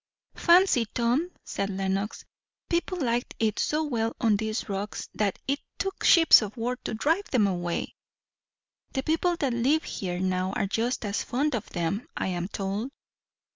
"Fancy, Tom," said Lenox. "People liked it so well on these rocks, that it took ships of war to drive them away!" "The people that live here now are just as fond of them, I am told."